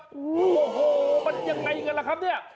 โอ้โหมันยังไงกันล่ะครับเนี่ย